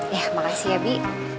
ya makasih ya bi